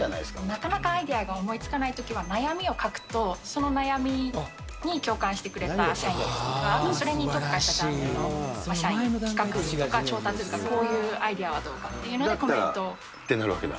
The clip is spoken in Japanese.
なかなかアイデアが思いつかないときは、悩みを書くと、その悩みに共感してくれた社員とか、それに特化したジャンルの社員、企画部とか調達部とか、こういうアイデアはどうかっていうコメンってなるわけだ。